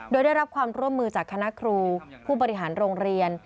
โดยได้รับความร่วมมือจากคณะครูผู้บริหารโรงเรียน